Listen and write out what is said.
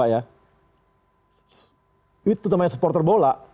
itu teman teman supporter bola